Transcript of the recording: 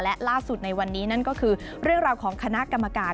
และล่าสุดในวันนี้นั่นก็คือเรื่องราวของคณะกรรมการ